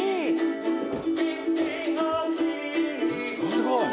すごい。